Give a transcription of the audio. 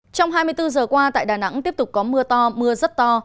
trong hai mươi bốn giờ qua tại đà nẵng tiếp tục có mưa to mưa rất to